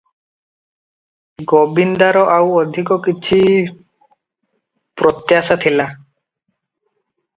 ଗୋବିନ୍ଦାର ଆଉ ଅଧିକ କିଛି ପ୍ରତ୍ୟାଶା ଥିଲା ।